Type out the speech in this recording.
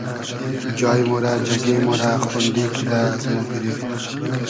جای مۉ رۂ جئگې مۉ رۂ خۉندی کیدۂ از مۉ گیریفت